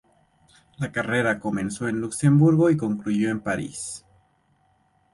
La carrera comenzó en Luxemburgo y concluyó en París.